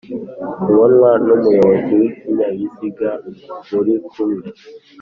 kubonwa n'umuyobozi w'ikinyabiziga muri kumwe